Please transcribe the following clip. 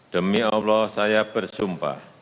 demi allah saya bersumpah